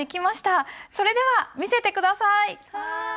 それでは見せて下さい。